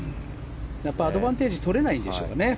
アドバンテージとれないんでしょうね。